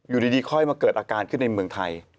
อยู่ดีค่อยมาเกิดอาการขึ้นในเมืองไทย